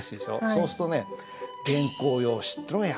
そうするとねへえ。